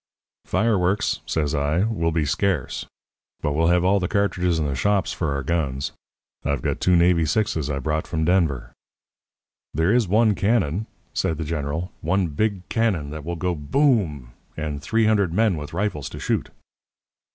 "'Fireworks,' says I, 'will be scarce; but we'll have all the cartridges in the shops for our guns. I've got two navy sixes I brought from Denver.' "'There is one cannon,' said the General; 'one big cannon that will go "BOOM!" And three hundred men with rifles to shoot.'